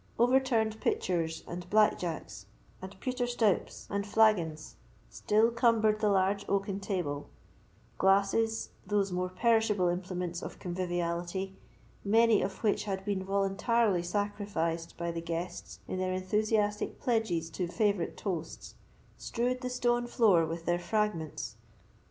Overturned pitchers, and black jacks, and pewter stoups, and flagons still cumbered the large oaken table; glasses, those more perishable implements of conviviality, many of which had been voluntarily sacrificed by the guests in their enthusiastic pledges to favourite toasts, strewed the stone floor with their fragments.